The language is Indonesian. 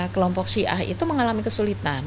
kelompok syiah itu mengalami kesulitan